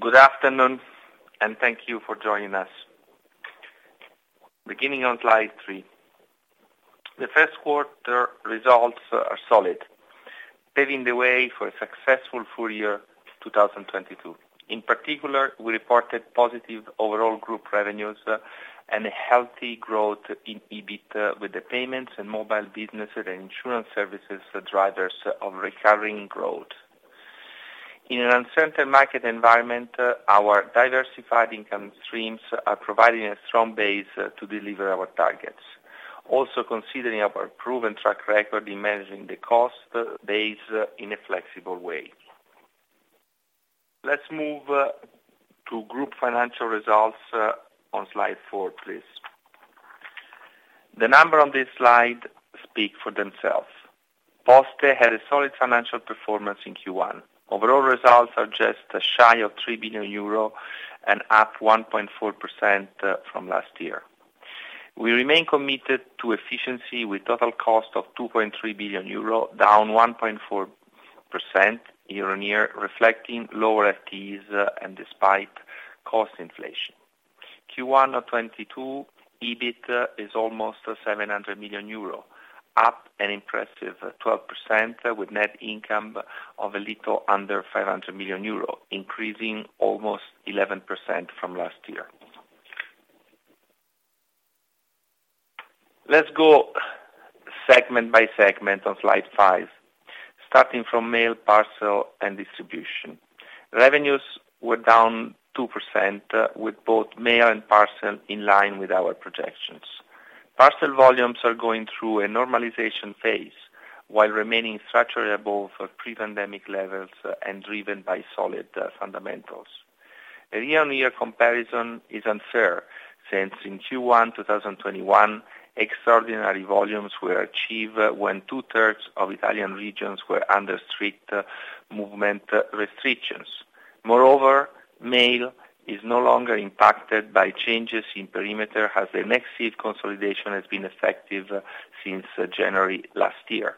Good afternoon, and thank you for joining us. Beginning on slide three, the first quarter results are solid, paving the way for a successful full year 2022. In particular, we reported positive overall group revenues and a healthy growth in EBIT, with the payments and mobile businesses and insurance services are drivers of recurring growth. In an uncertain market environment, our diversified income streams are providing a strong base to deliver our targets. Also considering our proven track record in managing the cost base in a flexible way. Let's move to group financial results on slide four, please. The number on this slide speak for themselves. Poste had a solid financial performance in Q1. Overall results are just shy of 3 billion euro and up 1.4% from last year. We remain committed to efficiency with total cost of 2.3 billion euro, down 1.4% year-on-year, reflecting lower FTEs and despite cost inflation. Q1 of 2022, EBIT is almost 700 million euro, up an impressive 12% with net income of a little under 500 million euro, increasing almost 11% from last year. Let's go segment by segment on slide five, starting from mail, parcel, and distribution. Revenues were down 2% with both mail and parcel in line with our projections. Parcel volumes are going through a normalization phase while remaining structurally above pre-pandemic levels and driven by solid fundamentals. A year-on-year comparison is unfair since in Q1 2021, extraordinary volumes were achieved when two-thirds of Italian regions were under strict movement restrictions. Moreover, mail is no longer impacted by changes in perimeter as the Nexive consolidation has been effective since January last year.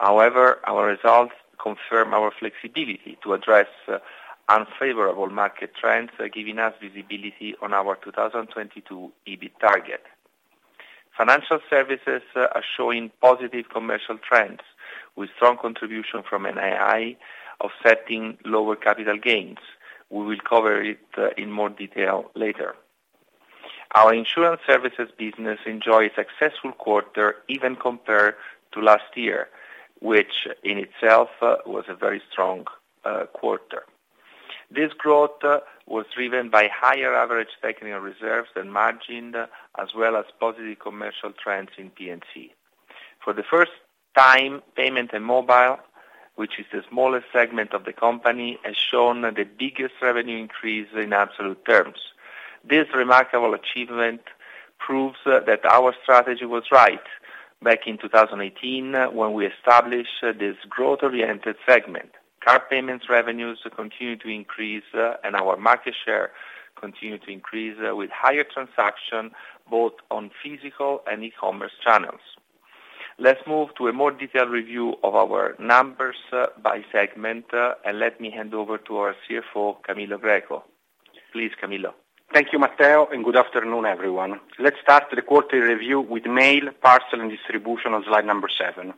However, our results confirm our flexibility to address unfavorable market trends, giving us visibility on our 2022 EBIT target. Financial services are showing positive commercial trends with strong contribution from NII offsetting lower capital gains. We will cover it in more detail later. Our insurance services business enjoy a successful quarter even compared to last year, which in itself was a very strong quarter. This growth was driven by higher average technical reserves and margin, as well as positive commercial trends in P&C. For the first time, payment and mobile, which is the smallest segment of the company, has shown the biggest revenue increase in absolute terms. This remarkable achievement proves that our strategy was right back in 2018 when we established this growth-oriented segment. Card payments revenues continue to increase, and our market share continue to increase with higher transaction, both on physical and e-commerce channels. Let's move to a more detailed review of our numbers by segment, and let me hand over to our CFO, Camillo Greco. Please, Camillo. Thank you, Matteo, and good afternoon, everyone. Let's start the quarterly review with mail, parcel, and distribution on slide number seven.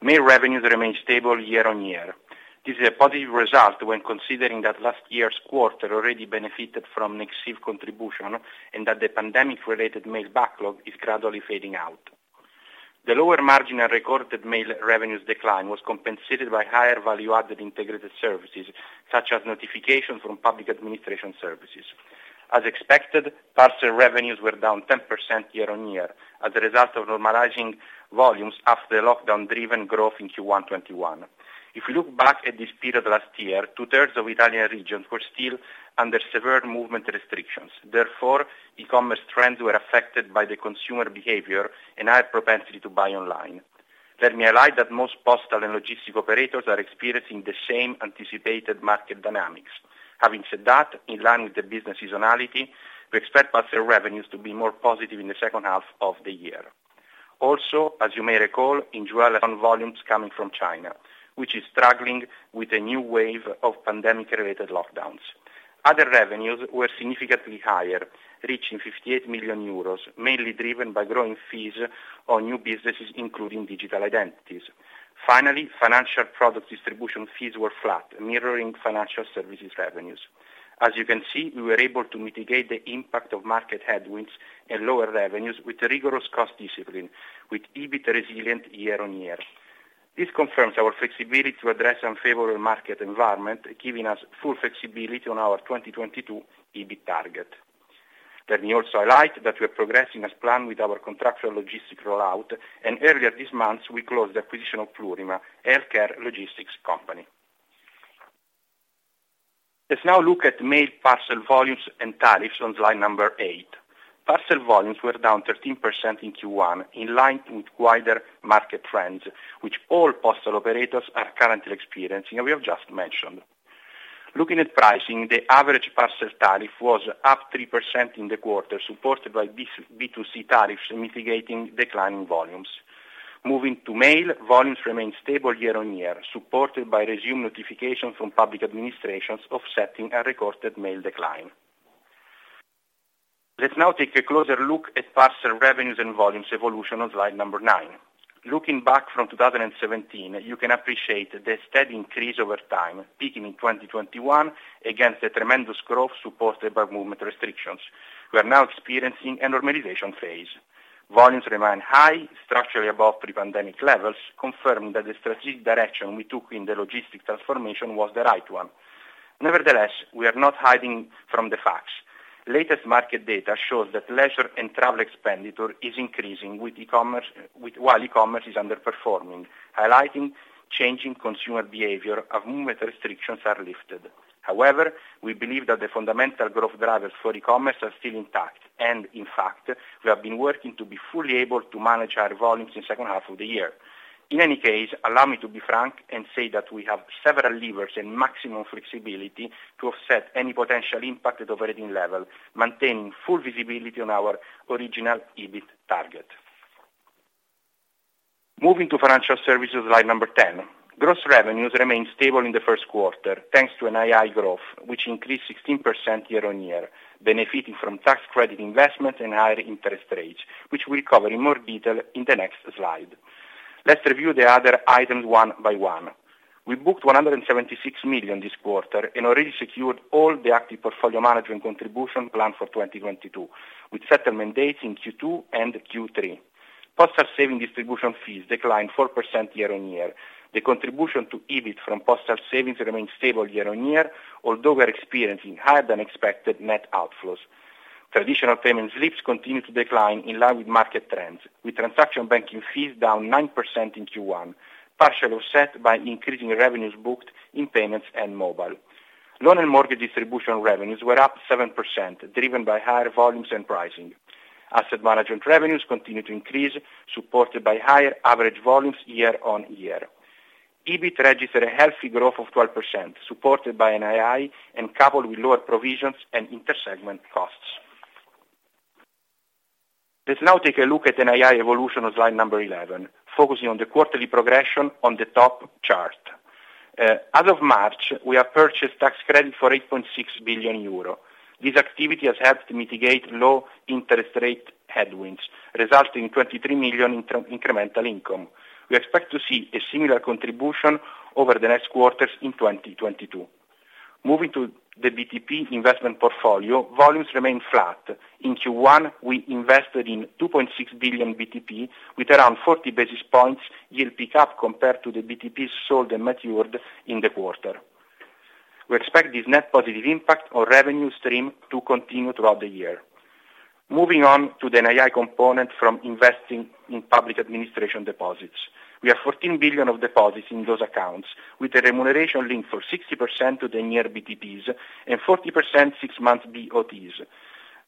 Mail revenues remain stable year-on-year. This is a positive result when considering that last year's quarter already benefited from Nexive contribution and that the pandemic-related mail backlog is gradually fading out. The lower margin and recorded mail revenues decline was compensated by higher value-added integrated services, such as notifications from public administration services. As expected, parcel revenues were down 10% year-on-year as a result of normalizing volumes after the lockdown-driven growth in Q1 2021. If you look back at this period last year, two-thirds of Italian regions were still under severe movement restrictions. Therefore, e-commerce trends were affected by the consumer behavior and high propensity to buy online. Let me highlight that most postal and logistic operators are experiencing the same anticipated market dynamics. Having said that, in line with the business seasonality, we expect parcel revenues to be more positive in the second half of the year. Also, as you may recall, in July, from volumes coming from China, which is struggling with a new wave of pandemic related lockdowns. Other revenues were significantly higher, reaching 58 million euros, mainly driven by growing fees on new businesses, including digital identities. Finally, financial product distribution fees were flat, mirroring financial services revenues. As you can see, we were able to mitigate the impact of market headwinds and lower revenues with rigorous cost discipline, with EBIT resilient year-over-year. This confirms our flexibility to address unfavorable market environment, giving us full flexibility on our 2022 EBIT target. Let me also highlight that we are progressing as planned with our contractual logistic rollout, and earlier this month, we closed the acquisition of Plurima, healthcare logistics company. Let's now look at mail parcel volumes and tariffs on slide number eight. Parcel volumes were down 13% in Q1, in line with wider market trends, which all postal operators are currently experiencing, and we have just mentioned. Looking at pricing, the average parcel tariff was up 3% in the quarter, supported by B2B2C tariffs mitigating declining volumes. Moving to mail, volumes remained stable year-on-year, supported by reminder notifications from public administrations offsetting a recorded mail decline. Let's now take a closer look at parcel revenues and volumes evolution on slide number nine. Looking back from 2017, you can appreciate the steady increase over time, peaking in 2021 against the tremendous growth supported by movement restrictions. We are now experiencing a normalization phase. Volumes remain high, structurally above pre-pandemic levels, confirming that the strategic direction we took in the logistic transformation was the right one. Nevertheless, we are not hiding from the facts. Latest market data shows that leisure and travel expenditure is increasing with e-commerce, while e-commerce is underperforming, highlighting changing consumer behavior as movement restrictions are lifted. However, we believe that the fundamental growth drivers for e-commerce are still intact. In fact, we have been working to be fully able to manage our volumes in second half of the year. In any case, allow me to be frank and say that we have several levers and maximum flexibility to offset any potential impact at operating level, maintaining full visibility on our original EBIT target. Moving to financial services, slide 10. Gross revenues remained stable in the first quarter, thanks to NII growth, which increased 16% year-over-year, benefiting from tax credit investments and higher interest rates, which we'll cover in more detail in the next slide. Let's review the other items one by one. We booked 176 million this quarter and already secured all the active portfolio management contribution planned for 2022, with settlement dates in Q2 and Q3. Postal savings distribution fees declined 4% year-over-year. The contribution to EBIT from postal savings remained stable year-over-year, although we're experiencing higher than expected net outflows. Traditional payment slips continued to decline in line with market trends, with transaction banking fees down 9% in Q1, partially offset by increasing revenues booked in payments and mobile. Loan and mortgage distribution revenues were up 7%, driven by higher volumes and pricing. Asset management revenues continued to increase, supported by higher average volumes year on year. EBIT registered a healthy growth of 12%, supported by NII and coupled with lower provisions and inter-segment costs. Let's now take a look at NII evolution on slide number 11, focusing on the quarterly progression on the top chart. As of March, we have purchased tax credit for 8.6 billion euro. This activity has helped mitigate low interest rate headwinds, resulting in 23 million incremental income. We expect to see a similar contribution over the next quarters in 2022. Moving to the BTP investment portfolio, volumes remained flat. In Q1, we invested in 2.6 billion BTP with around 40 basis points yield pickup compared to the BTP sold and matured in the quarter. We expect this net positive impact on revenue stream to continue throughout the year. Moving on to the NII component from investing in public administration deposits. We have 14 billion of deposits in those accounts, with a remuneration link for 60% to the ten-year BTPs and 40% six-month BOTs.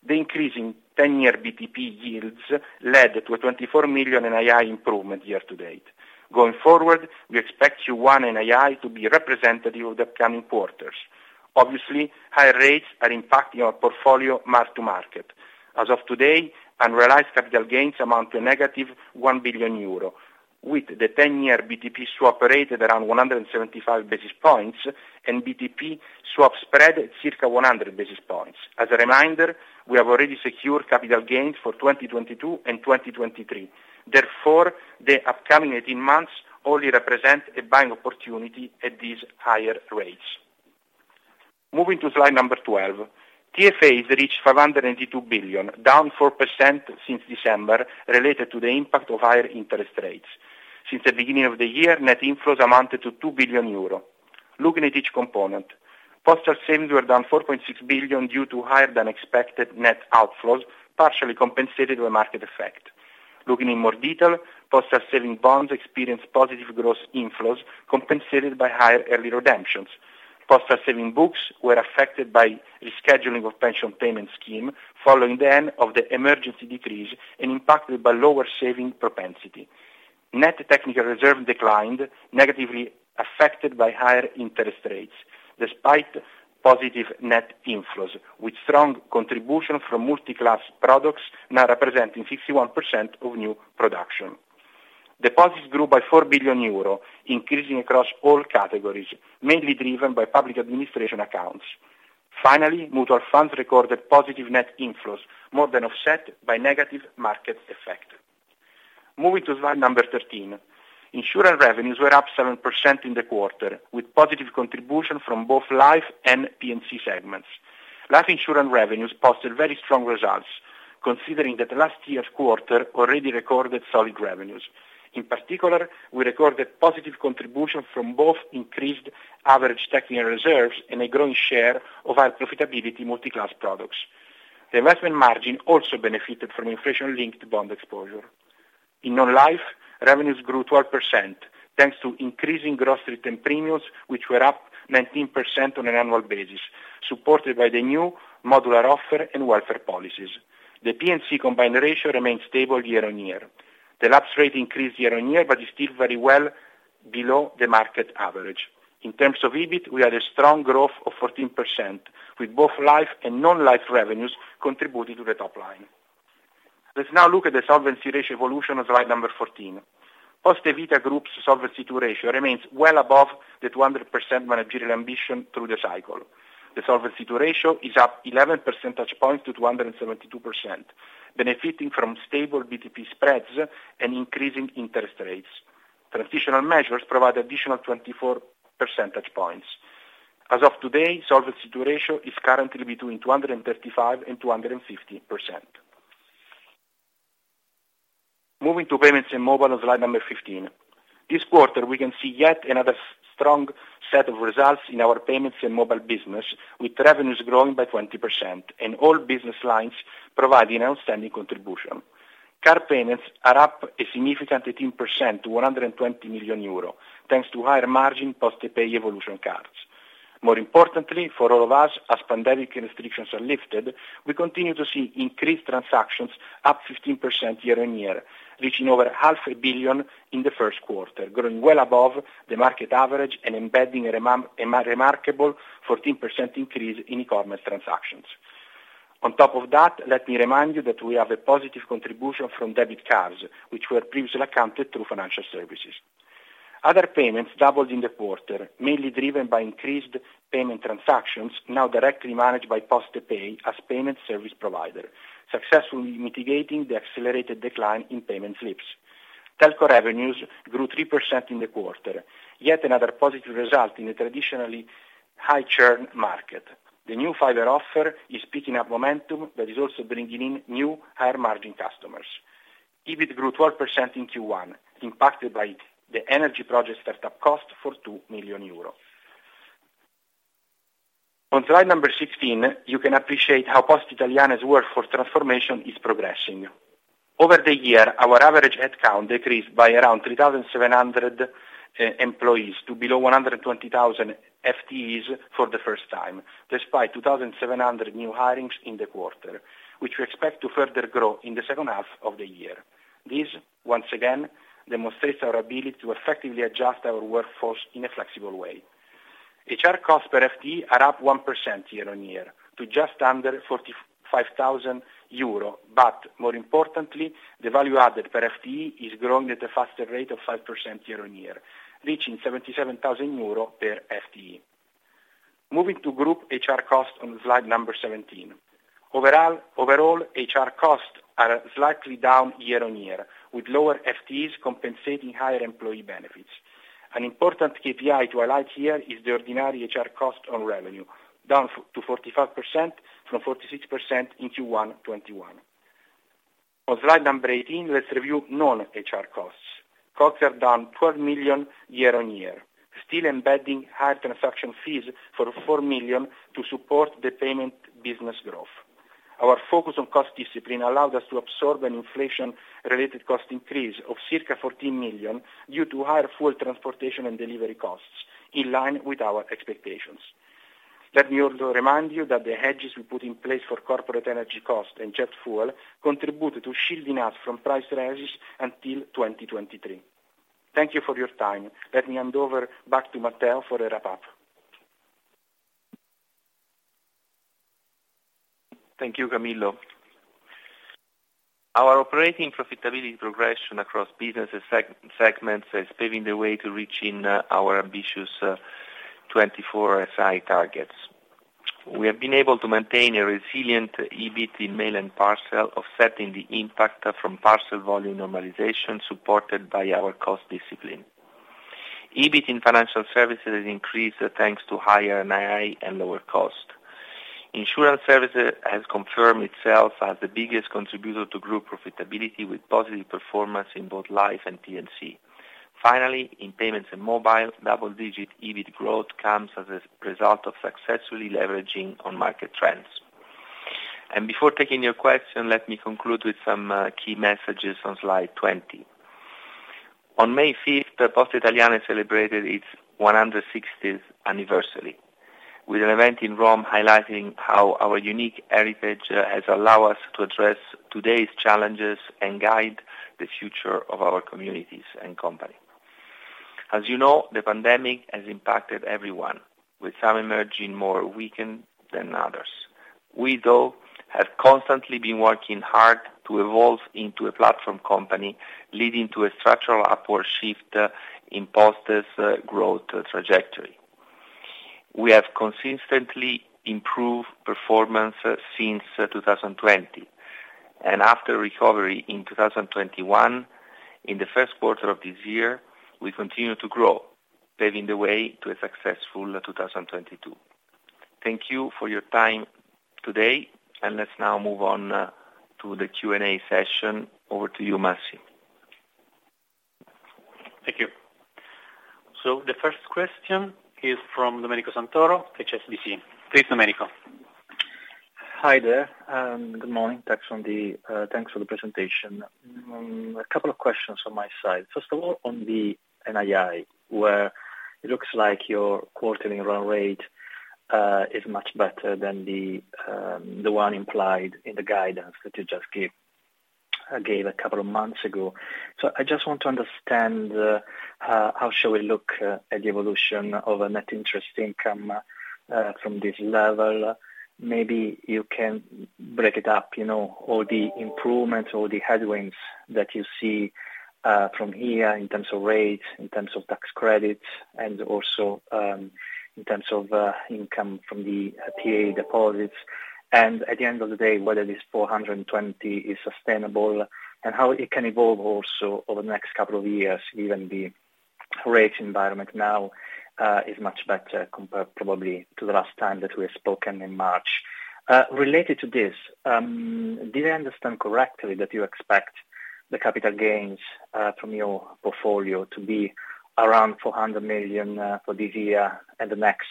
The increase in ten-year BTP yields led to a 24 million NII improvement year to date. Going forward, we expect Q1 NII to be representative of the upcoming quarters. Obviously, higher rates are impacting our portfolio mark to market. As of today, unrealized capital gains amount to -1 billion euro, with the ten-year BTP swap rate at around 175 basis points and BTP swap spread circa 100 basis points. As a reminder, we have already secured capital gains for 2022 and 2023. Therefore, the upcoming 18 months only represent a buying opportunity at these higher rates. Moving to slide number 12. TFAs reached 582 billion, down 4% since December, related to the impact of higher interest rates. Since the beginning of the year, net inflows amounted to 2 billion euro. Looking at each component, postal savings were down 4.6 billion due to higher than expected net outflows, partially compensated by a market effect. Looking in more detail, postal savings bonds experienced positive gross inflows compensated by higher early redemptions. Postal saving books were affected by rescheduling of pension payment scheme following the end of the emergency decrease and impacted by lower saving propensity. Net technical reserve declined, negatively affected by higher interest rates, despite positive net inflows, with strong contribution from multi-class products now representing 51% of new production. Deposits grew by 4 billion euro, increasing across all categories, mainly driven by public administration accounts. Finally, mutual funds recorded positive net inflows, more than offset by negative market effect. Moving to slide number 13. Insurance revenues were up 7% in the quarter, with positive contribution from both Life and P&C segments. Life insurance revenues posted very strong results, considering that last year's quarter already recorded solid revenues. In particular, we recorded positive contribution from both increased average technical reserves and a growing share of our profitability multi-class products. The investment margin also benefited from inflation-linked bond exposure. In non-life, revenues grew 12%, thanks to increasing gross written premiums, which were up 19% on an annual basis, supported by the new modular offer and welfare policies. The P&C combined ratio remained stable year-on-year. The lapse rate increased year-on-year, but is still very well below the market average. In terms of EBIT, we had a strong growth of 14%, with both life and non-life revenues contributing to the top line. Let's now look at the solvency ratio evolution on slide number 14. Poste Vita Group's Solvency II ratio remains well above the 200% managerial ambition through the cycle. The Solvency II ratio is up 11 percentage points to 272%, benefiting from stable BTP spreads and increasing interest rates. Transitional measures provide additional 24 percentage points. As of today, Solvency II ratio is currently between 235% and 250%. Moving to payments and mobile on slide 15. This quarter, we can see yet another strong set of results in our payments and mobile business, with revenues growing by 20% and all business lines providing outstanding contribution. Card payments are up a significant 18% to 120 million euro, thanks to higher margin Postepay Evolution cards. More importantly for all of us, as pandemic restrictions are lifted, we continue to see increased transactions up 15% year-on-year, reaching over 500 million in the first quarter, growing well above the market average and embedding a remarkable 14% increase in e-commerce transactions. On top of that, let me remind you that we have a positive contribution from debit cards, which were previously accounted through financial services. Other payments doubled in the quarter, mainly driven by increased payment transactions, now directly managed by Postepay as payment service provider, successfully mitigating the accelerated decline in payment slips. Telco revenues grew 3% in the quarter, yet another positive result in a traditionally high churn market. The new fiber offer is picking up momentum that is also bringing in new higher margin customers. EBIT grew 12% in Q1, impacted by the energy project start-up cost for 2 million euros. On slide number 16, you can appreciate how Poste Italiane's workforce transformation is progressing. Over the year, our average headcount decreased by around 3,700 employees to below 120,000 FTEs for the first time, despite 2,700 new hirings in the quarter, which we expect to further grow in the second half of the year. This once again demonstrates our ability to effectively adjust our workforce in a flexible way. HR costs per FTE are up 1% year-on-year to just under 45,000 euro. More importantly, the value added per FTE is growing at a faster rate of 5% year-on-year, reaching 77,000 euro per FTE. Moving to group HR costs on slide 17. Overall, HR costs are slightly down year-on-year, with lower FTEs compensating higher employee benefits. An important KPI to highlight here is the ordinary HR cost on revenue, down to 45% from 46% in Q1 2021. On slide number 18, let's review non-HR costs. Costs are down 12 million year-on-year, still embedding higher transaction fees for 4 million to support the payment business growth. Our focus on cost discipline allowed us to absorb an inflation-related cost increase of circa 14 million due to higher fuel transportation and delivery costs, in line with our expectations. Let me also remind you that the hedges we put in place for corporate energy cost and jet fuel contributed to shielding us from price rises until 2023. Thank you for your time. Let me hand over back to Matteo for the wrap up. Thank you, Camillo. Our operating profitability progression across business segments is paving the way to reaching our ambitious 24SI targets. We have been able to maintain a resilient EBIT in mail and parcel, offsetting the impact from parcel volume normalization supported by our cost discipline. EBIT in financial services increased, thanks to higher NII and lower cost. Insurance services has confirmed itself as the biggest contributor to group profitability, with positive performance in both Life and P&C. Finally, in payments and mobile, double-digit EBIT growth comes as a result of successfully leveraging on market trends. Before taking your question, let me conclude with some key messages on slide 20. On May fifth, Poste Italiane celebrated its 160th anniversary with an event in Rome, highlighting how our unique heritage has allowed us to address today's challenges and guide the future of our communities and company. As you know, the pandemic has impacted everyone, with some emerging more weakened than others. We though have constantly been working hard to evolve into a platform company, leading to a structural upward shift in Poste's growth trajectory. We have consistently improved performance since 2020. After recovery in 2021, in the first quarter of this year, we continue to grow, paving the way to a successful 2022. Thank you for your time today, and let's now move on to the Q&A session. Over to you, Massimo. Thank you. The first question is from Domenico Santoro, HSBC. Please, Domenico. Hi there. Good morning. Thanks for the presentation. A couple of questions from my side. First of all, on the NII, where it looks like your quarterly run rate is much better than the one implied in the guidance that you just gave a couple of months ago. I just want to understand how shall we look at the evolution of a net interest income from this level. Maybe you can break it up, you know, or the improvements or the headwinds that you see from here in terms of rates, in terms of tax credits, and also in terms of income from the PA deposits. At the end of the day, whether this 420 million is sustainable and how it can evolve also over the next couple of years, given the rate environment now is much better compared probably to the last time that we had spoken in March. Related to this, did I understand correctly that you expect the capital gains from your portfolio to be around 400 million for this year and the next,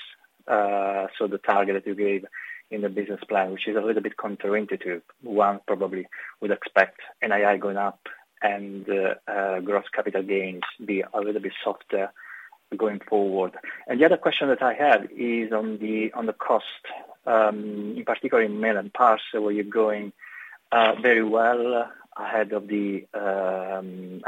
so the target that you gave in the business plan, which is a little bit counterintuitive, one probably would expect NII going up and gross capital gains be a little bit softer going forward. The other question that I had is on the cost in particular in mail and parcel, where you're going very well ahead of the. I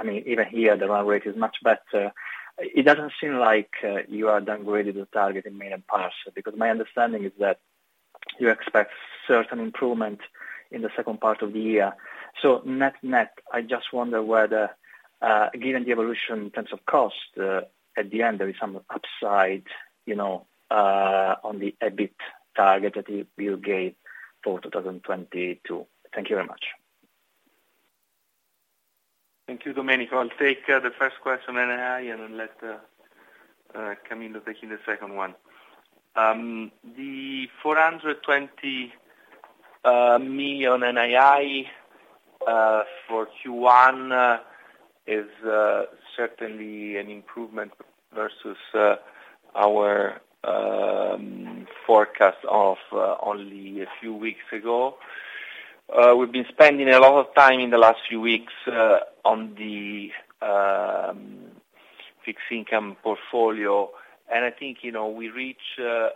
mean, even here, the run rate is much better. It doesn't seem like you are downgraded the target in mail and parcel, because my understanding is that you expect certain improvement in the second part of the year. Net-net, I just wonder whether, given the evolution in terms of cost, at the end, there is some upside, you know, on the EBIT target that you gave for 2022. Thank you very much. Thank you, Domenico. I'll take the first question, NII, and then let Camillo take the second one. The EUR 420 million NII for Q1 is certainly an improvement versus our forecast of only a few weeks ago. We've been spending a lot of time in the last few weeks on the fixed income portfolio. I think, you know, we reach the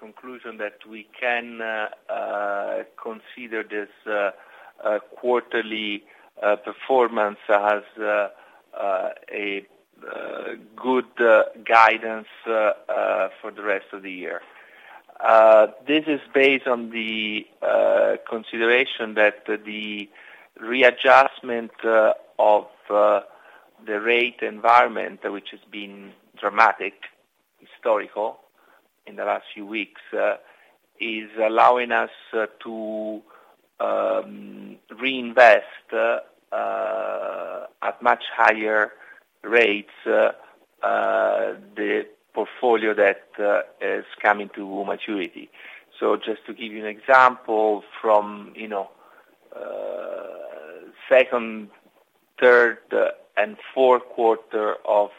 conclusion that we can consider this quarterly performance as a good guidance for the rest of the year. This is based on the consideration that the readjustment of the rate environment, which has been dramatic, historic in the last few weeks, is allowing us to reinvest at much higher rates the portfolio that is coming to maturity. Just to give you an example from, you know, second, third, and fourth quarter of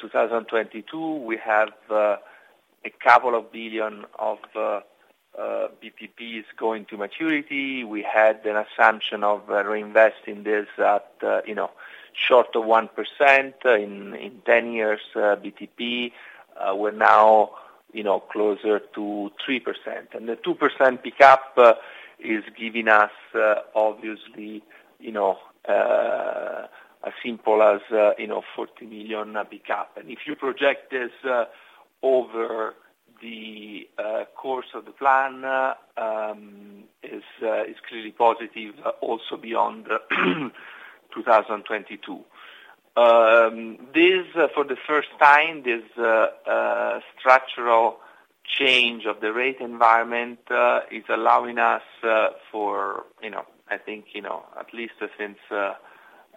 2022, we have a couple of billion EUR of BTPs going to maturity. We had an assumption of reinvesting this at, you know, short of 1% in 10-year BTP. We're now, you know, closer to 3%. The 2% pickup is giving us, obviously, you know, as simple as, you know, 40 million pickup. If you project this over the course of the plan, is clearly positive also beyond 2022. This, for the first time, structural change of the rate environment is allowing us, you know, I think, you know, at least since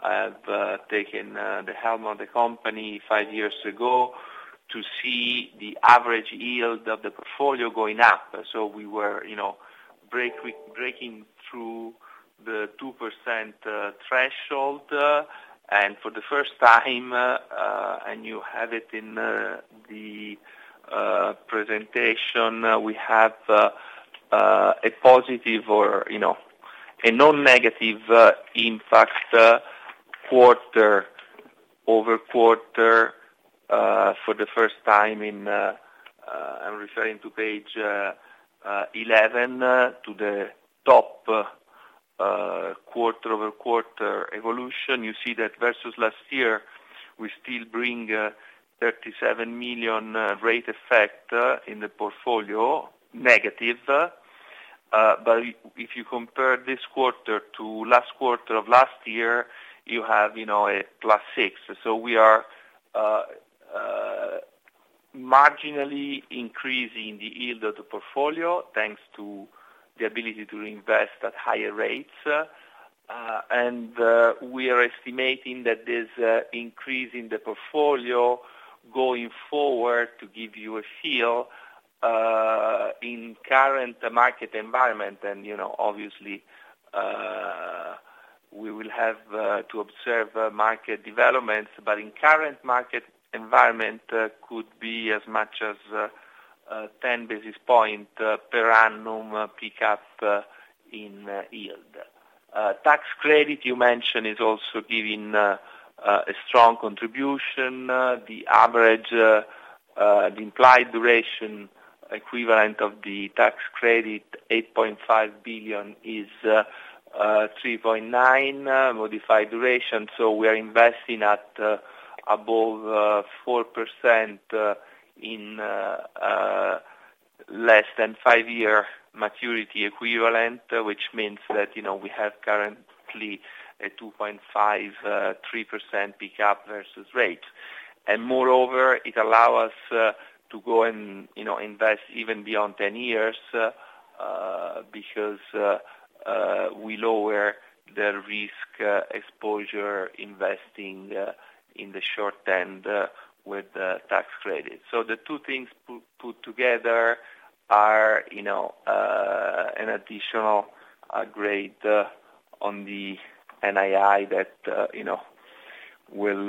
I've taken the helm of the company five years ago, to see the average yield of the portfolio going up. We were, you know, breaking through the 2% threshold. For the first time, you have it in the presentation, we have a positive or, you know, a non-negative impact quarter-over-quarter, for the first time in, I'm referring to page 11 to the top quarter-over-quarter evolution. You see that versus last year, we still bring 37 million rate effect in the portfolio, negative. If you compare this quarter to last quarter of last year, you have, you know, a +6. We are marginally increasing the yield of the portfolio, thanks to the ability to invest at higher rates. We are estimating that this increase in the portfolio going forward, to give you a feel, in current market environment, and, you know, obviously, we will have to observe market developments, but in current market environment, could be as much as a 10 basis point per annum pickup in yield. Tax credit you mentioned is also giving a strong contribution. The average implied duration equivalent of the tax credit, 8.5 billion is 3.9% modified duration. So we are investing at above 4% in less than five-year maturity equivalent, which means that, you know, we have currently a 2.5%-3% pick up versus rate. Moreover, it allow us to go and, you know, invest even beyond 10 years because we lower the risk exposure investing in the short end with tax credit. So the two things put together are, you know, an additional grade on the NII that, you know, will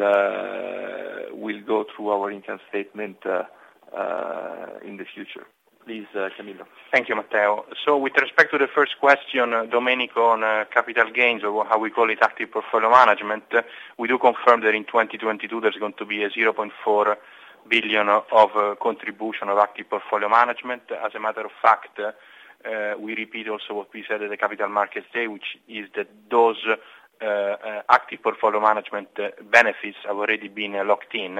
go through our income statement in the future. Please, Camillo. Thank you, Matteo. With respect to the first question, Domenico, on capital gains or how we call it active portfolio management, we do confirm that in 2022 there's going to be 0.4 billion of contribution of active portfolio management. As a matter of fact, we repeat also what we said at the Capital Markets Day, which is that those active portfolio management benefits have already been locked in,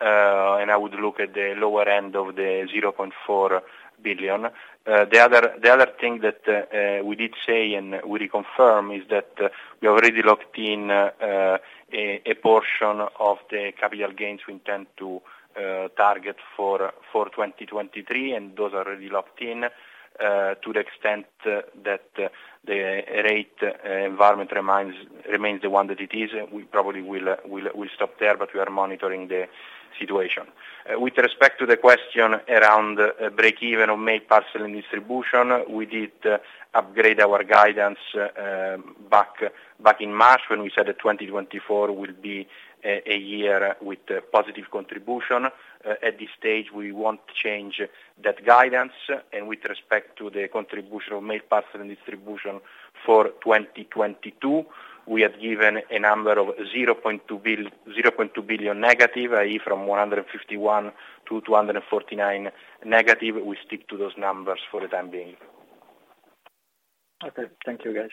and I would look at the lower end of the 0.4 billion. The other thing that we did say and we reconfirm is that we already locked in a portion of the capital gains we intend to target for 2023, and those are already locked in to the extent that the rate environment remains the one that it is. We probably will stop there, but we are monitoring the situation. With respect to the question around breakeven on mail parcel and distribution, we did upgrade our guidance back in March when we said that 2024 will be a year with positive contribution. At this stage, we won't change that guidance. With respect to the contribution of Mail, Parcels and Distribution for 2022, we have given a number of -0.2 billion, i.e., from -151 million to -249 million. We stick to those numbers for the time being. Okay. Thank you, guys.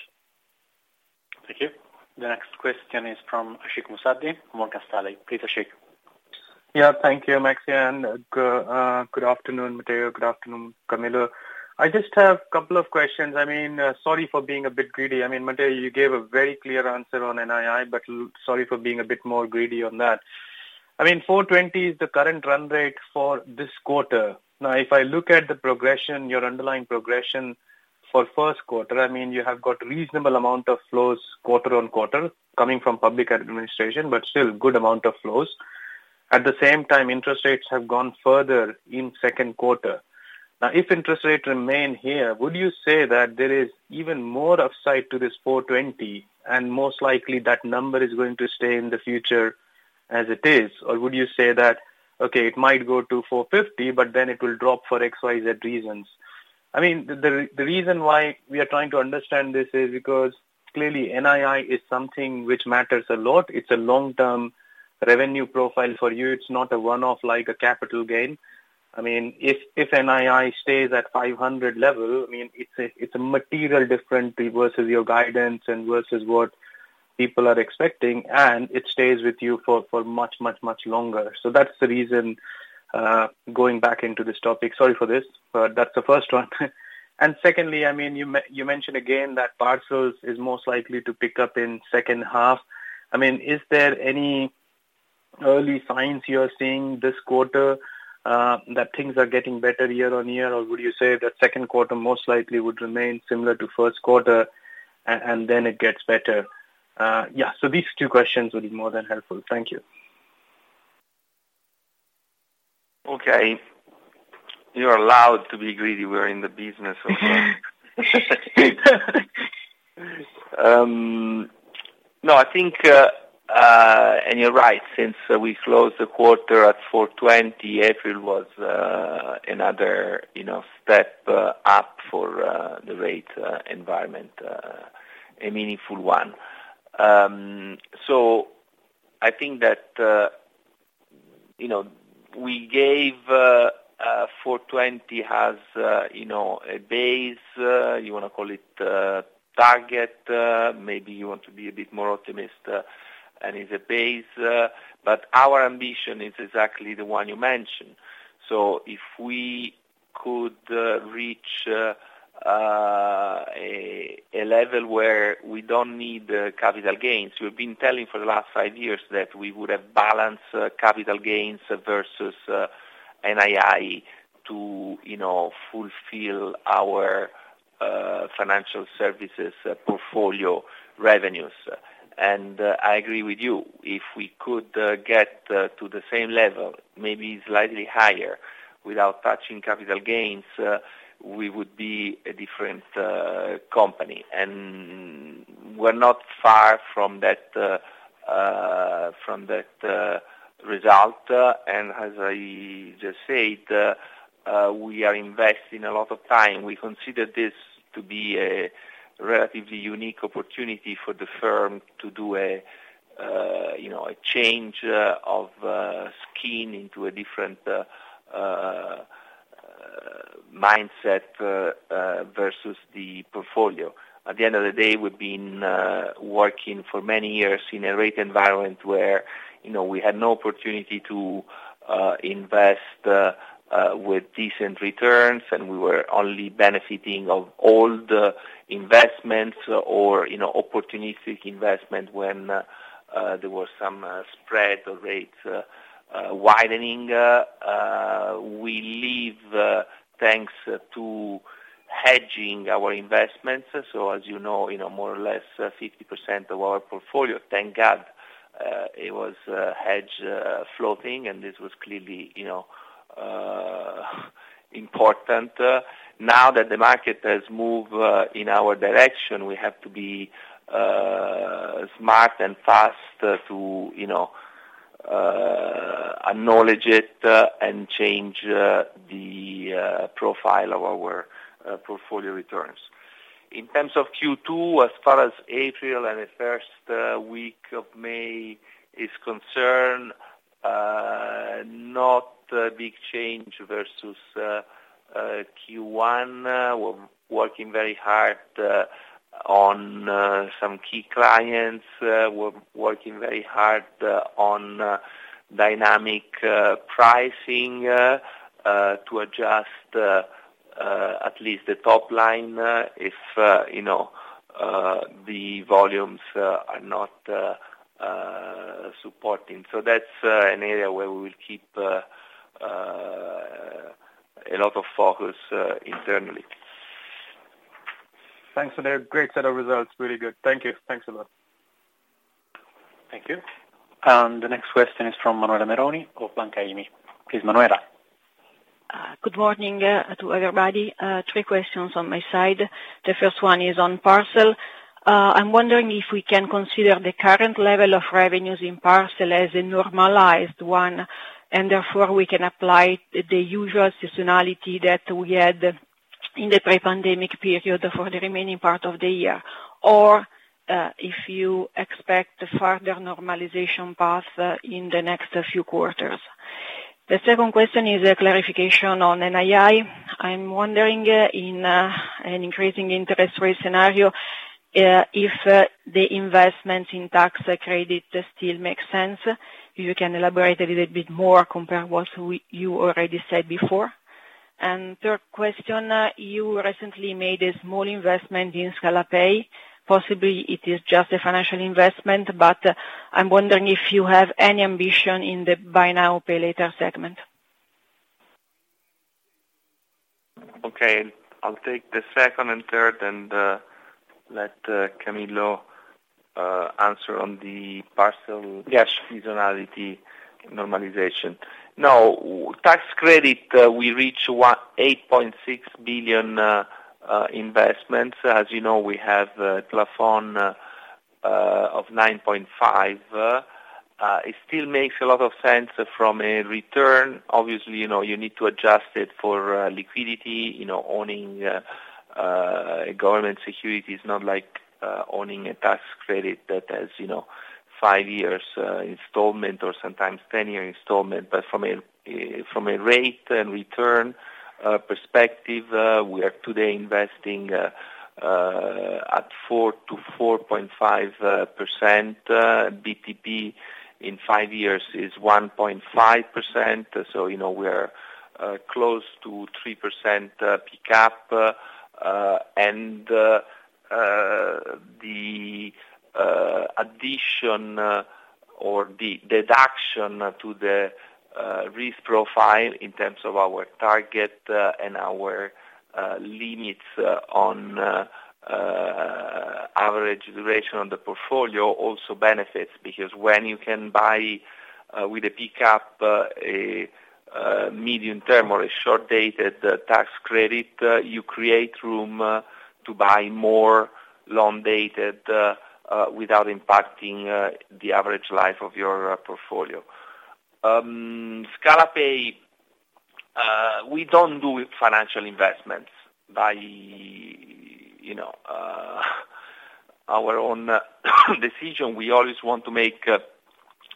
Thank you. The next question is from Ashik Musaddi, Morgan Stanley. Please, Ashik. Yeah. Thank you, Massimo. Good afternoon, Matteo. Good afternoon, Camillo. I just have a couple of questions. I mean, sorry for being a bit greedy. I mean, Matteo, you gave a very clear answer on NII, but sorry for being a bit more greedy on that. I mean, 420 is the current run rate for this quarter. Now, if I look at the progression, your underlying progression for first quarter, I mean, you have got a reasonable amount of flows quarter-over-quarter coming from public administration, but still a good amount of flows. At the same time, interest rates have gone further in second quarter. Now, if interest rates remain here, would you say that there is even more upside to this 420, and most likely that number is going to stay in the future as it is? Would you say that, okay, it might go to 450, but then it will drop for XYZ reasons? I mean, the reason why we are trying to understand this is because clearly NII is something which matters a lot. It's a long-term revenue profile for you. It's not a one-off like a capital gain. I mean, if NII stays at 500 level, I mean, it's a materially different versus your guidance and versus what people are expecting, and it stays with you for much longer. That's the reason going back into this topic. Sorry for this, but that's the first one. Secondly, I mean, you mentioned again that parcels is most likely to pick up in second half. I mean, is there any early signs you are seeing this quarter, that things are getting better year-over-year? Or would you say that second quarter most likely would remain similar to first quarter and then it gets better? Yeah. These two questions would be more than helpful. Thank you. Okay. You're allowed to be greedy. We're in the business also. No, I think and you're right, since we closed the quarter at 420, April was another, you know, step up for the rate environment, a meaningful one. I think that you know, we gave 420 as you know, a base, you wanna call it a target, maybe you want to be a bit more optimistic, and it's a base, but our ambition is exactly the one you mentioned. If we could reach a level where we don't need capital gains, we've been telling for the last five years that we would have balanced capital gains versus NII to you know, fulfill our financial services portfolio revenues. I agree with you. If we could get to the same level, maybe slightly higher without touching capital gains, we would be a different company. We're not far from that result. As I just said, we are investing a lot of time. We consider this to be a relatively unique opportunity for the firm to do a, you know, a change of skin into a different mindset versus the portfolio. At the end of the day, we've been working for many years in a rate environment where, you know, we had no opportunity to invest with decent returns, and we were only benefiting of all the investments or, you know, opportunistic investment when there was some spread or rates widening. We lived thanks to hedging our investments. As you know, more or less 50% of our portfolio, thank God, it was hedged floating, and this was clearly, you know, important. Now that the market has moved in our direction, we have to be smart and fast to, you know, acknowledge it and change the profile of our portfolio returns. In terms of Q2, as far as April and the first week of May is concerned, not a big change versus Q1. We're working very hard on some key clients. We're working very hard on dynamic pricing to adjust at least the top line, if you know the volumes are not supporting. That's an area where we will keep a lot of focus internally. Thanks, for that. Great set of results. Really good. Thank you. Thanks a lot. Thank you. The next question is from Manuela Meroni of Banca IMI. Please, Manuela. Good morning to everybody. Three questions on my side. The first one is on parcel. I'm wondering if we can consider the current level of revenues in parcel as a normalized one, and therefore, we can apply the usual seasonality that we had in the pre-pandemic period for the remaining part of the year. Or if you expect a further normalization path in the next few quarters. The second question is a clarification on NII. I'm wondering in an increasing interest rate scenario if the investment in tax credit still makes sense. If you can elaborate a little bit more compared what you already said before. Third question, you recently made a small investment in Scalapay. Possibly it is just a financial investment, but I'm wondering if you have any ambition in the buy now, pay later segment. Okay. I'll take the second and third and let Camillo answer on the parcel- Yes. Seasonality normalization. Now, tax credit, we reached 1.8 billion investments. As you know, we have a plafond of 9.5 billion. It still makes a lot of sense from a return. Obviously, you know, you need to adjust it for liquidity. You know, owning government security is not like owning a tax credit that has, you know, five years installment or sometimes ten-year installment. But from a rate and return perspective, we are today investing at 4%-4.5%, BTP in five years is 1.5%. So, you know, we're close to 3% pickup. The addition or the deduction to the risk profile in terms of our target and our limits on average duration on the portfolio also benefits. Because when you can buy with a pickup a medium-term or a short-dated tax credit, you create room to buy more long-dated without impacting the average life of your portfolio. Scalapay, we don't do financial investments by, you know, our own decision. We always want to make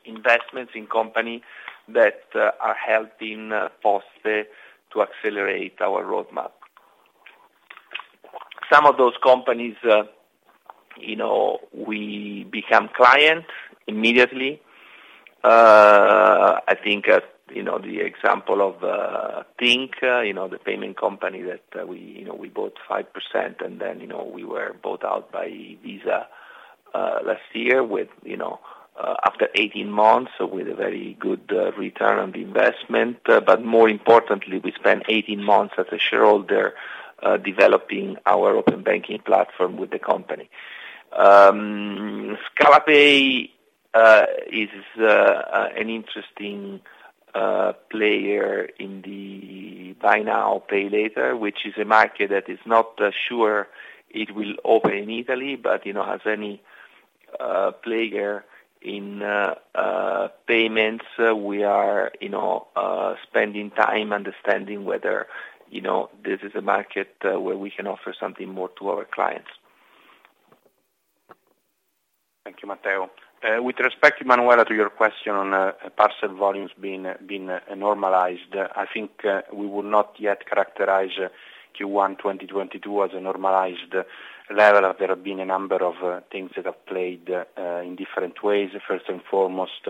investments in companies that are helping Poste to accelerate our roadmap. Some of those companies, you know, we become clients immediately. I think you know the example of Tink you know the payment company that we you know we bought 5% and then you know we were bought out by Visa last year with you know after 18 months with a very good return on the investment. More importantly we spent 18 months as a shareholder developing our open banking platform with the company. Scalapay is an interesting player in the buy now pay later which is a market that is not sure it will open in Italy but you know has any player in payments. We are you know spending time understanding whether you know this is a market where we can offer something more to our clients. Thank you, Matteo. With respect, Manuela, to your question on parcel volumes being normalized, I think we will not yet characterize Q1 2022 as a normalized level. There have been a number of things that have played in different ways. First and foremost,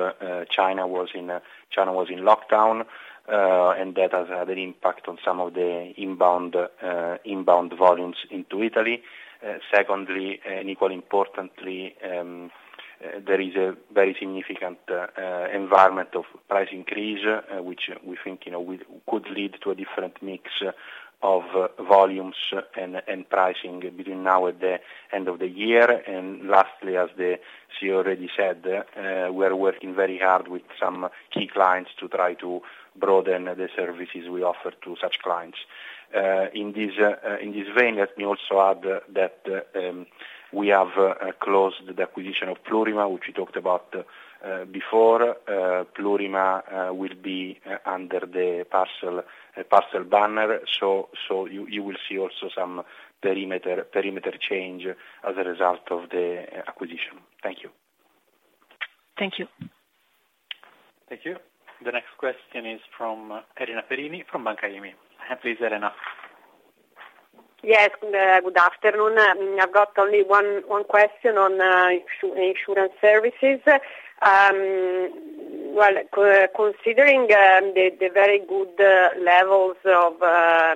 China was in lockdown, and that has had an impact on some of the inbound volumes into Italy. Secondly, and equally importantly, there is a very significant environment of price increase, which we think, you know, we could lead to a different mix of volumes and pricing between now and the end of the year. Lastly, as the CEO already said, we are working very hard with some key clients to try to broaden the services we offer to such clients. In this vein, let me also add that we have closed the acquisition of Plurima, which we talked about before. Plurima will be under the parcel banner. You will see also some perimeter change as a result of the acquisition. Thank you. Thank you. Thank you. The next question is from Elena Perini from Banca IMI. Please, Elena. Good afternoon. I've got only one question on insurance services. Well, considering the very good levels of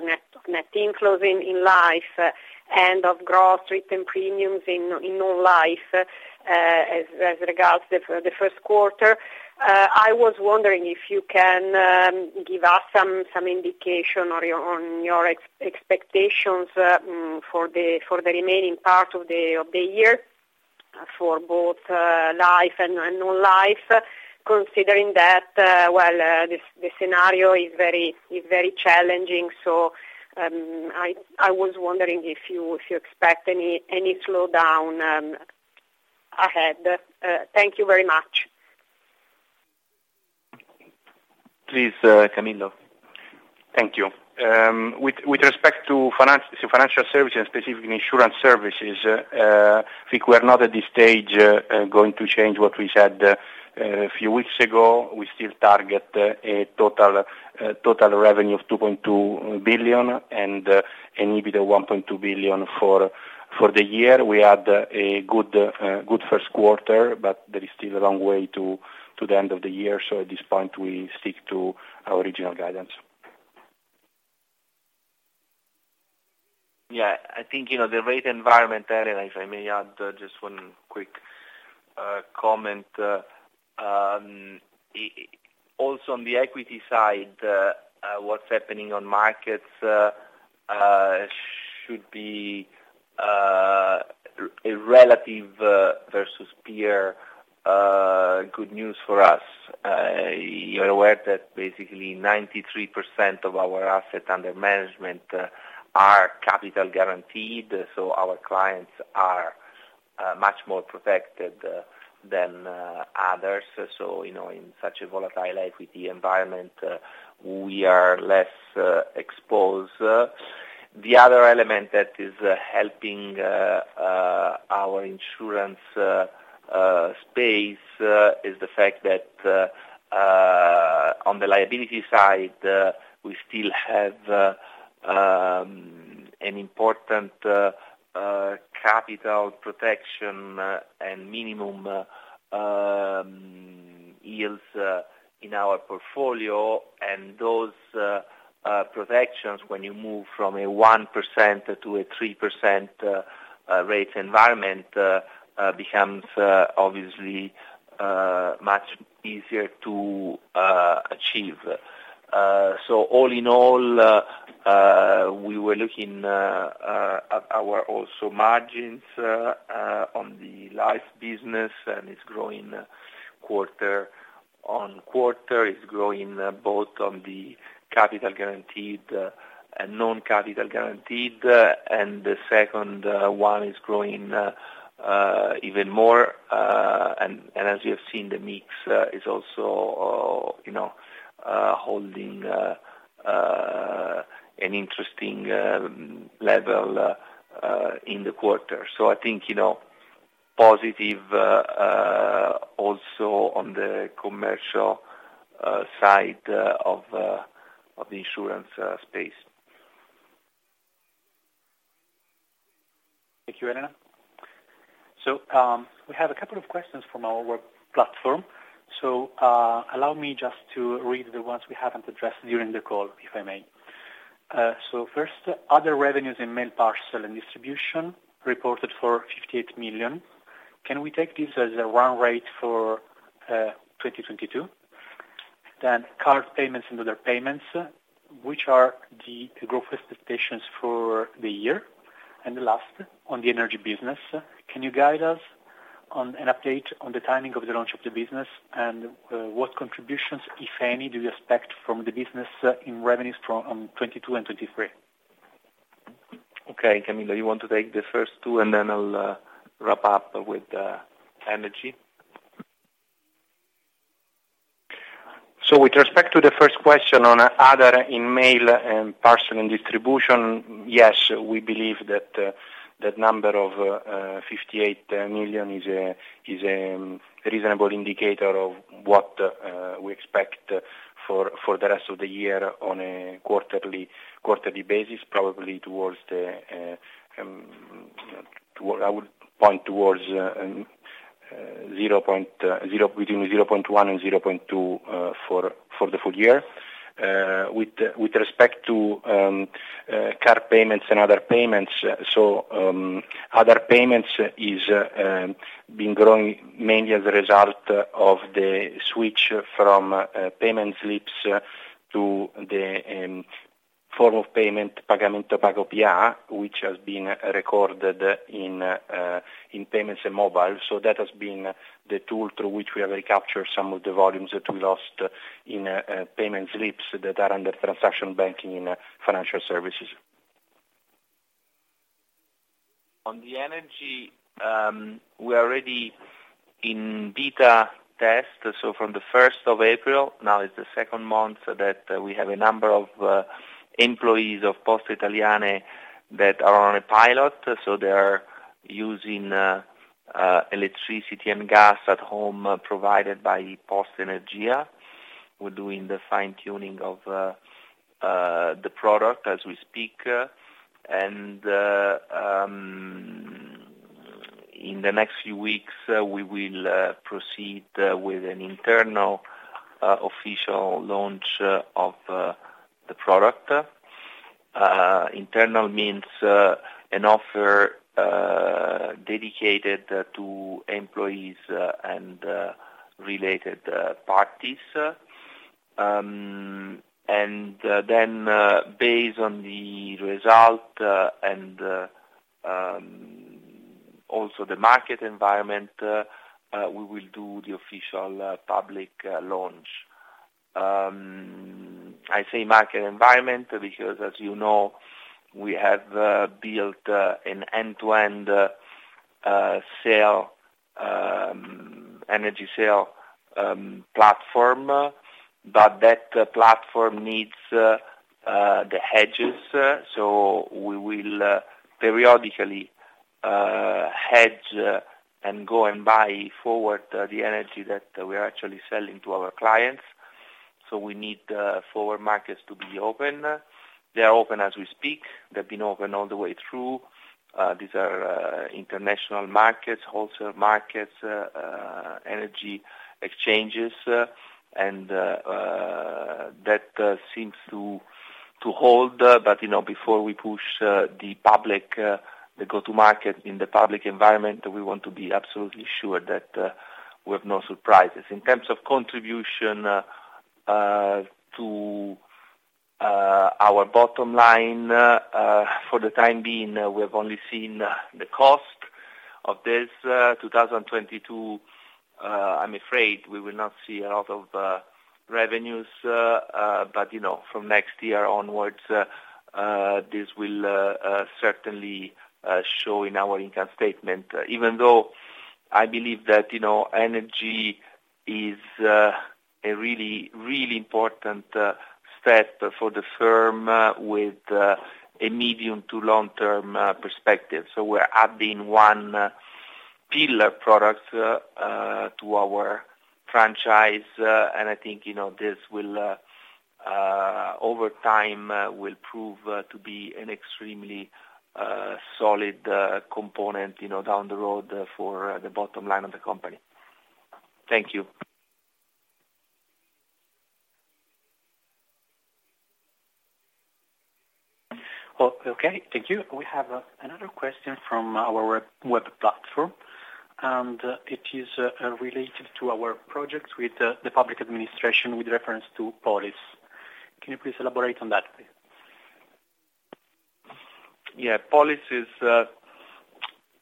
net inflows in life and of gross written premiums in non-life, as regards the first quarter, I was wondering if you can give us some indication on your expectations for the remaining part of the year for both life and non-life, considering that well the scenario is very challenging. I was wondering if you expect any slowdown ahead. Thank you very much. Please, Camillo. Thank you. With respect to financial services, specifically insurance services, I think we are not at this stage going to change what we said a few weeks ago. We still target a total revenue of 2.2 billion and an EBIT 1.2 billion for the year. We had a good first quarter, but there is still a long way to the end of the year. At this point, we stick to our original guidance. Yeah, I think, you know, the rate environment area, if I may add just one quick comment. Also on the equity side, what's happening on markets should be a relative versus peer good news for us. You're aware that basically 93% of our assets under management are capital guaranteed, so our clients are much more protected than others. You know, in such a volatile equity environment, we are less exposed. The other element that is helping our insurance space is the fact that on the liability side, we still have an important capital protection and minimum yields in our portfolio. Those protections, when you move from a 1% to a 3% rate environment, becomes obviously much easier to achieve. All in all, we were looking at our overall margins on the life business, and it's growing quarter-over-quarter. It's growing both on the capital guaranteed and non-capital guaranteed. The second one is growing even more, and as you have seen, the mix is also, you know, holding an interesting level in the quarter. I think, you know, positive also on the commercial side of the insurance space. Thank you, Elena. We have a couple of questions from our work platform. Allow me just to read the ones we haven't addressed during the call, if I may. First, other revenues in mail parcel and distribution reported for 58 million. Can we take this as a run rate for 2022? Then card payments and other payments, which are the growth expectations for the year? The last, on the energy business, can you guide us on an update on the timing of the launch of the business and what contributions, if any, do you expect from the business in revenues on 2022 and 2023? Okay, Camillo, you want to take the first two, and then I'll wrap up with the energy. With respect to the first question on other in mail and parcel and distribution, yes, we believe that number of 58 million is a reasonable indicator of what we expect for the rest of the year on a quarterly basis, probably I would point towards 0.0%, between 0.1% and 0.2% for the full year. With respect to card payments and other payments. Other payments has been growing mainly as a result of the switch from payment slips to the form of payment, pagamento pagoPA, which has been recorded in payments and mobile. That has been the tool through which we have recaptured some of the volumes that we lost in payment slips that are under transaction banking and financial services. On the energy, we are already in beta test, so from the first of April, now it's the second month that we have a number of employees of Poste Italiane that are on a pilot, so they are using electricity and gas at home provided by Poste Energia. We're doing the fine-tuning of the product as we speak. In the next few weeks, we will proceed with an internal official launch of the product. Internal means an offer dedicated to employees and related parties. based on the result and also the market environment, we will do the official public launch. I say market environment because, as you know, we have built an end-to-end energy sales platform, but that platform needs the hedges. We will periodically hedge and go and buy forward the energy that we are actually selling to our clients. We need forward markets to be open. They are open as we speak. They've been open all the way through. These are international markets, wholesale markets, energy exchanges, and that seems to hold, but you know, before we push to the public the go-to-market in the public environment, we want to be absolutely sure that we have no surprises. In terms of contribution to our bottom line, for the time being, we have only seen the cost of this 2022. I'm afraid we will not see a lot of revenues, but you know, from next year onwards, this will certainly show in our income statement. Even though I believe that, you know, energy is a really, really important step for the firm with a medium to long-term perspective. We're adding one pillar product to our franchise, and I think, you know, this will over time prove to be an extremely solid component, you know, down the road for the bottom line of the company. Thank you. Well, okay. Thank you. We have another question from our web platform, and it is related to our project with the public administration with reference to Polis. Can you please elaborate on that, please? Yeah. Polis is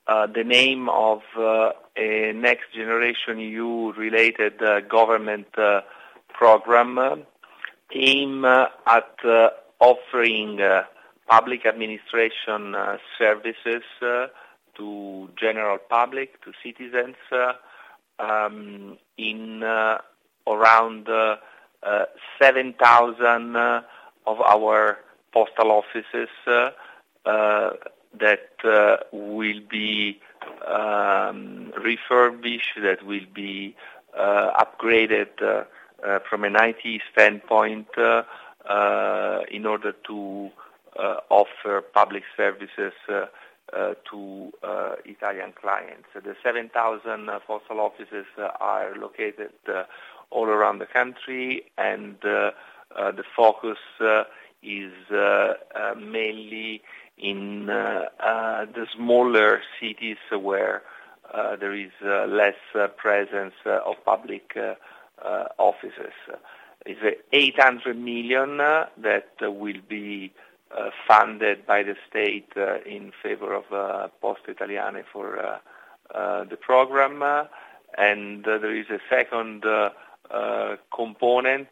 the name of a NextGenerationEU related government program aimed at offering public administration services to general public, to citizens, in around 7,000 of our postal offices that will be refurbished, that will be upgraded from an IT standpoint in order to offer public services to Italian clients. The 7,000 postal offices are located all around the country and the focus is mainly in the smaller cities where there is less presence of public offices. It's 800 million that will be funded by the state in favor of Poste Italiane for the program. There is a second component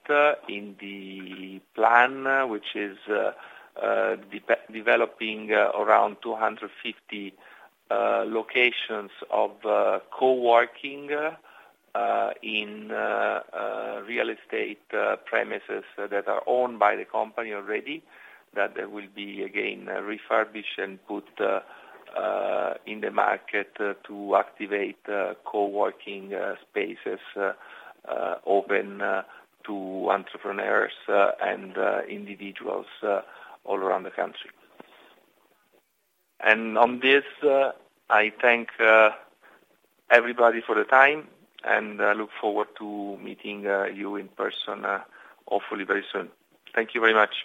in the plan, which is developing around 250 locations of co-working in real estate premises that are owned by the company already, that they will be again refurbished and put in the market to activate co-working spaces open to entrepreneurs and individuals all around the country. On this, I thank everybody for the time, and I look forward to meeting you in person, hopefully very soon. Thank you very much.